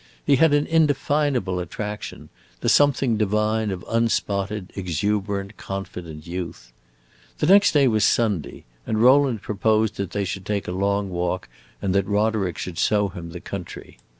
He had an indefinable attraction the something divine of unspotted, exuberant, confident youth. The next day was Sunday, and Rowland proposed that they should take a long walk and that Roderick should show him the country.